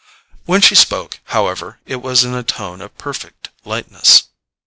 When she spoke, however, it was in a tone of perfect lightness.